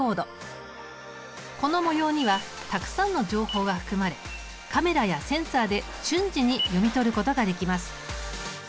この模様にはたくさんの情報が含まれカメラやセンサーで瞬時に読み取ることができます。